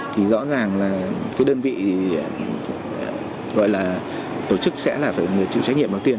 thì rõ ràng là cái đơn vị gọi là tổ chức sẽ là phải người chịu trách nhiệm đầu tiên